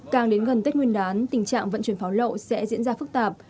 càng đến gần tết nguyên đán tình trạng vận chuyển pháo lậu sẽ diễn ra phức tạp